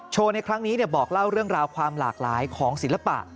ในครั้งนี้บอกเล่าเรื่องราวความหลากหลายของศิลปะ